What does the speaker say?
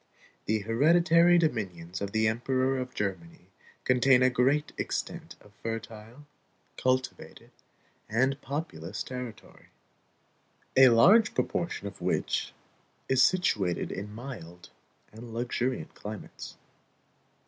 The hereditary dominions of the Emperor of Germany contain a great extent of fertile, cultivated, and populous territory, a large proportion of which is situated in mild and luxuriant climates.